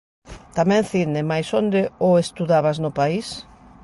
Tamén cine, mais onde o estudabas no país?